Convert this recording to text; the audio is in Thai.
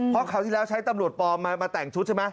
เพราะคราวที่แล้วใช้ตำรวจปลอมมาแต่งชุดใช่ไหม